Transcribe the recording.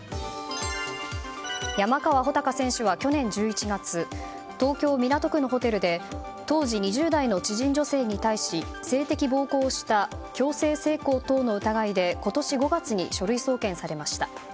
山川穂高選手は去年１１月東京・港区のホテルで当時２０代の知人女性に対し性的暴行をした強制性交等の疑いで今年５月に書類送検されました。